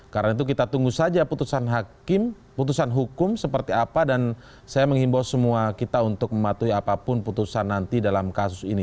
karena itu kita tunggu saja putusan hakim putusan hukum seperti apa dan saya menghimbau semua kita untuk mematuhi apapun putusan nanti dalam kasus ini